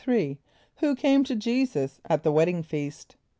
= Who came to J[=e]´[s+]us at the wedding feast?